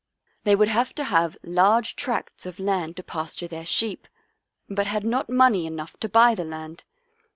They would have to have large tracts of land to pasture their sheep, but had not money enough to buy the land.